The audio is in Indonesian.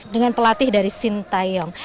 dengan pelatih dari sinta yong